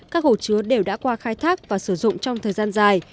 các hồ chứa đều đã qua khai thác và sử dụng trong thời gian dài